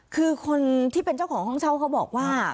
คือคนที่เป็นเจ้าของห้องเช่าเขาบอกว่า